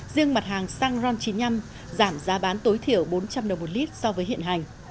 riêng mặt hàng xăng ron chín mươi năm giảm giá bán tối thiểu bốn trăm linh đồng một lít so với hiện hành